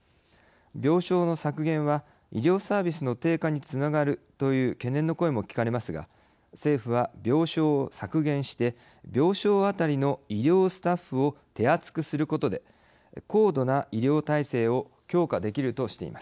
病床の削減は医療サービスの低下につながるという懸念の声も聞かれますが政府は病床を削減して病床当たりの医療スタッフを手厚くすることで高度な医療体制を強化できるとしています。